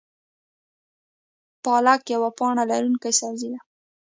پالک یوه پاڼه لرونکی سبزی ده